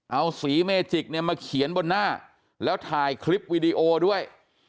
เอาสีเมจิกเนี่ยมาเขียนบนหน้าแล้วถ่ายคลิปวิดีโอด้วย